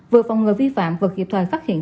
vừa phòng ngừa vi phạm vừa kịp thời phát hiện